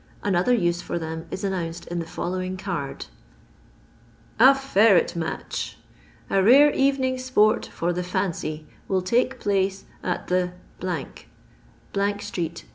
Another use for them is an nounced in the following card :— A FERRET MATCH. A Rare Evening's Sport for the Fancy will take place at the STREET.